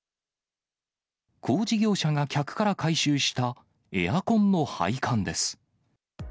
工事業者が客から回収したエアコンの配管です。